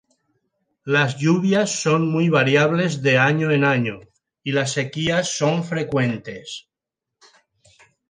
Las lluvias son muy variables de año en año, y las sequías son frecuentes.